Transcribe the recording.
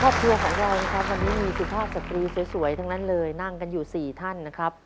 ครอบครัวของเรานะครับวันนี้มีคุณพ่อศัตรูสวยทั้งนั้นเลยนั่งกันอยู่๔ท่านนะครับ